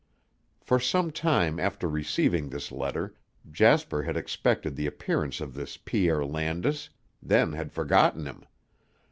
For some time after receiving this letter, Jasper had expected the appearance of this Pierre Landis, then had forgotten him.